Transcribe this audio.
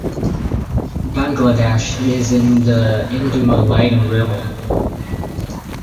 Bangladesh is in the Indomalayan realm.